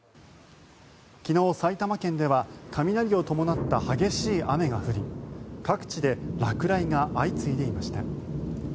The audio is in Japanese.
昨日、埼玉県では雷を伴った激しい雨が降り各地で落雷が相次いでいました。